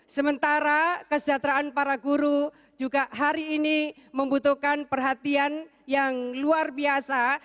sementara kesejahteraan para guru juga hari ini membutuhkan perhatian yang luar biasa